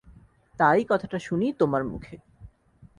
তারই কথাটা শুনি তোমার মুখে।